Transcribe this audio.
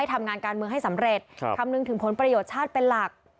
ทำงานการเมืองให้สำเร็จคำนึงถึงผลประโยชน์ชาติเป็นหลัก